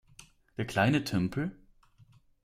Der kleine Tümpel?